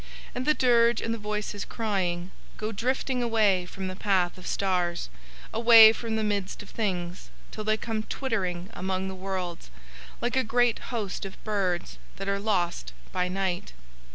And the dirge and the voices crying, go drifting away from the Path of Stars, away from the Midst of Things, till they come twittering among the Worlds, like a great host of birds that are lost by night.